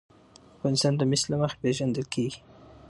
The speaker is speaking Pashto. افغانستان د مس له مخې پېژندل کېږي.